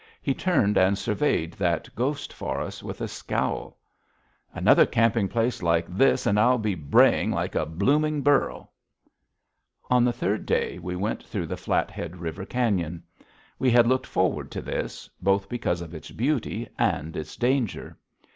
He turned and surveyed that ghost forest with a scowl. "Another camping place like this, and I'll be braying like a blooming burro." On the third day, we went through the Flathead River cañon. We had looked forward to this, both because of its beauty and its danger.